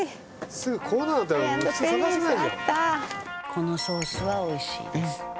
「このソースは美味しいです」